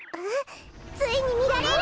ついにみられる！